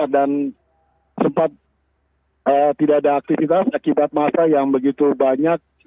dan sempat tidak ada aktivitas akibat masa yang begitu banyak